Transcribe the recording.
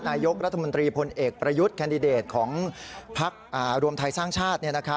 นายกรัฐมนตรีพลเอกประยุทธ์แคนดิเดตของพักรวมไทยสร้างชาติ